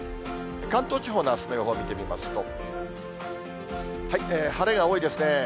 関東地方のあすの予報見てみますと、晴れが多いですね。